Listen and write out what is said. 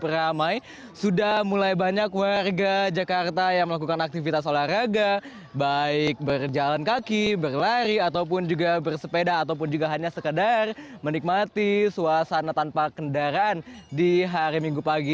ramai sudah mulai banyak warga jakarta yang melakukan aktivitas olahraga baik berjalan kaki berlari ataupun juga bersepeda ataupun juga hanya sekedar menikmati suasana tanpa kendaraan di hari minggu pagi